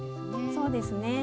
そうですね。